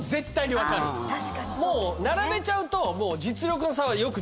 もう並べちゃうと。